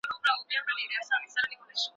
دژوندون باقي سفره نور به لوری پر دې خوا کم